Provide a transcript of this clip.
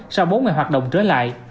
sau bốn ngày hoạt động trở lại